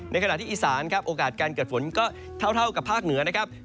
ขณะที่อีสานครับโอกาสการเกิดฝนก็เท่ากับภาคเหนือนะครับ